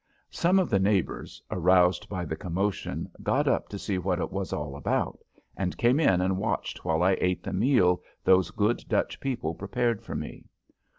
Some of the neighbors, aroused by the commotion, got up to see what it was all about, and came in and watched while I ate the meal those good Dutch people prepared for me.